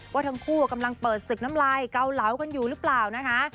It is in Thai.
ว่าทั้งคู่กำลังเปิดศึกน้ำลายเกาเหลากันอยู่หรือเปล่านะคะ